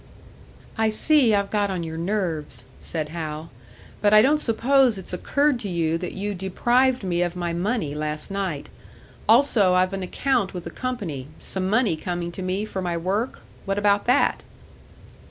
"I see I've got on your nerves," said Hal. "But I don't suppose it's occurred to you that you deprived me of my money last night. Also, I've an account with the company, some money coming to me for my work? What about that?"